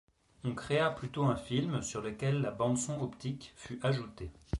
On créa plutôt un film sur lequel la bande-son optique fut ajoutée.